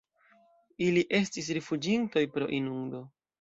Ili estis rifuĝintoj pro inundo.